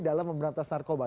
dalam pemberantasan narkoba